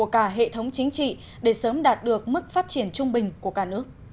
cả hệ thống chính trị để sớm đạt được mức phát triển trung bình của cả nước